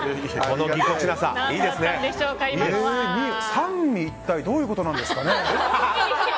三位一体どういうことなんですかね？